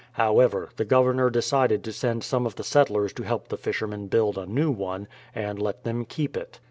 However, the Governor decided to send some of tlie settlers to help the fishermen build a new one, and let them keep it.